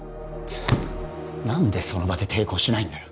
何でその場で抵抗しないんだよ